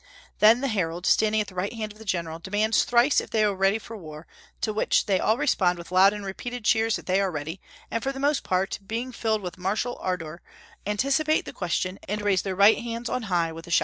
Then the herald, standing at the right hand of the general, demands thrice if they are ready for war, to which they all respond with loud and repeated cheers that they are ready, and for the most part, being filled with martial ardor, anticipate the question, 'and raise their right hands on high with a shout.'"